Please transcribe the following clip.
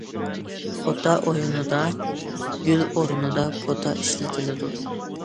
پوتا ئويۇنىدا گۈل ئورنىدا پوتا ئىشلىتىلىدۇ.